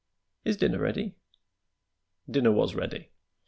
Is dinner ready?" Dinner was ready.